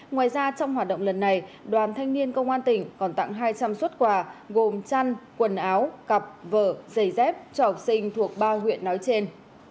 ngoài ra trong hoạt động lần này đoàn thanh niên công an tỉnh còn tặng hai trăm linh suất quà gồm chăn quần áo cặp vở giày dép trọc xinh thuộc ba huyện nói trên